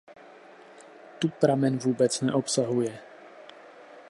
Tu pramen vůbec neobsahuje.